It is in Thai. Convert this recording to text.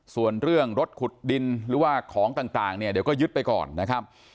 ส่วนเรื่องรถขุดดินหรือว่าของต่างเนี่ยเดี๋ยวก็ยึดไปก่อนนะครับ